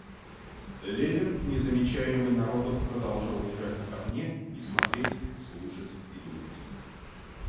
Левин, не замечаемый народом, продолжал лежать на копне и смотреть, слушать и думать.